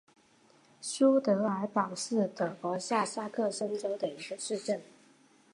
苏德尔堡是德国下萨克森州的一个市镇。